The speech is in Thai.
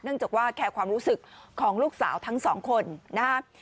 เนื่องจากว่าแค่ความรู้สึกของลูกสาวทั้งสองคนนะฮะ